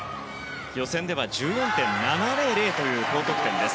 予選では１４．７００という高得点です。